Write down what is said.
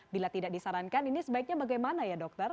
bila tidak disarankan ini sebaiknya bagaimana ya dokter